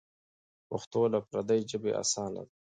پښتو له پردۍ ژبې اسانه ده.